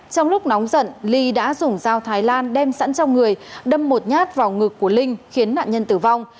trong lúc nóng giận ly đã dùng dao thái lan đem sẵn trong người đâm một nhát vào ngực của linh khiến nạn nhân tử vong